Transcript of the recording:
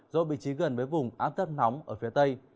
do vị trí gần với vùng áp thấp nóng ở phía tây